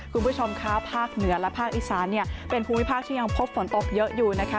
คุณผู้ชมคะภาคเหนือและภาคอีสานเนี่ยเป็นภูมิภาคที่ยังพบฝนตกเยอะอยู่นะคะ